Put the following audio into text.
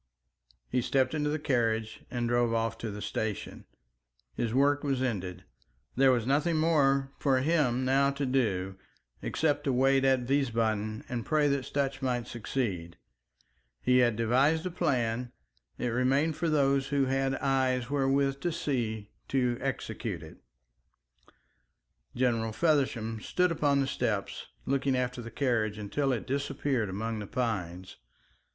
He stepped into the carriage and drove off to the station. His work was ended. There was nothing more for him now to do, except to wait at Wiesbaden and pray that Sutch might succeed. He had devised the plan, it remained for those who had eyes wherewith to see to execute it. General Feversham stood upon the steps looking after the carriage until it disappeared among the pines.